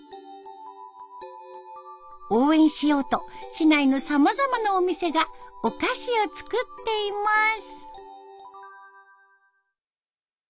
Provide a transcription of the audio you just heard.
応援しようと市内のさまざまなお店がお菓子を作っています。